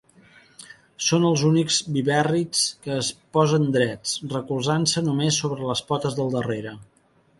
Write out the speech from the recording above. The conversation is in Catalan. Són els únics vivèrrids que es posen drets, recolzant-se només sobre les potes del darrere.